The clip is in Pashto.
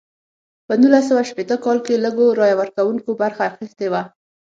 په نولس سوه شپیته کال کې لږو رایه ورکوونکو برخه اخیستې وه.